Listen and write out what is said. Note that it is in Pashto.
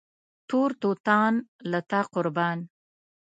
تور توتان له تا قربان